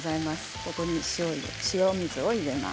これに塩水を入れます。